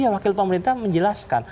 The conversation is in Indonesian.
ya wakil pemerintah menjelaskan